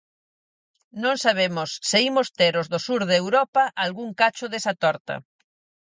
Non sabemos se imos ter os do sur de Europa algún cacho desa torta.